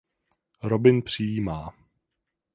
Robin přijímá.